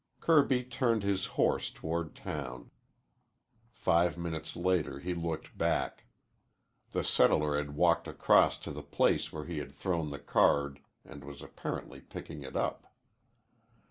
Kirby turned his horse toward town. Five minutes later he looked back. The settler had walked across to the place where he had thrown the card and was apparently picking it up.